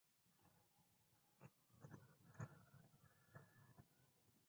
His article received much backlash.